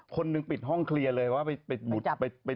คนนึงปิดห้องเคลียร์เลยว่าไปจูบปากเขา